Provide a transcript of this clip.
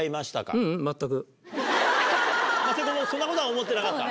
そんなことは思ってなかった？